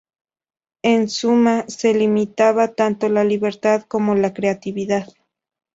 En suma, se limitaba tanto la libertad como la creatividad.